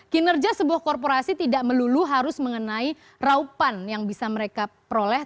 kinerja sebuah korporasi tidak melulu harus mengenai raupan yang bisa mereka peroleh